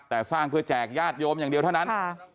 แต่สร้างเพื่อแจกญาติโยมอย่างเดียวเท่านั้น